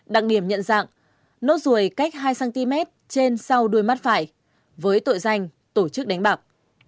đặc điểm nhận dạng nốt ruồi cách hai cm dưới sau đầu mái trái với tội danh tổ chức đánh bạc